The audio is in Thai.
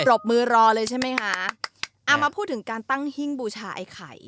รบมือรอเลยใช่ไหมคะเอามาพูดถึงการตั้งหิ้งบูชาไอ้ไข่